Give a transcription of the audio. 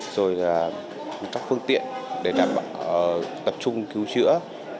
rồi là các phương tiện để đảm bảo tập trung cứu chữa